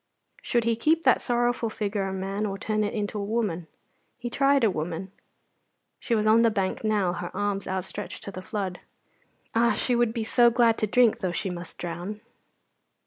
Should he keep that sorrowful figure a man or turn it into a woman? He tried a woman. She was on the bank now, her arms outstretched to the flood. Ah! she would be so glad to drink, though she must drown.